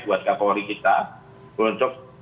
buat kapolri kita untuk